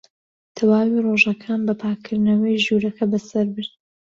تەواوی ڕۆژەکەم بە پاککردنەوەی ژوورەکە بەسەر برد.